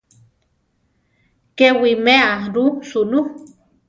Ke wiméa ru sunú.